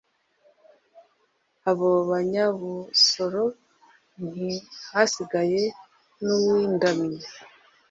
abo banyabusoro ntihasigaye n'uw'indamyi.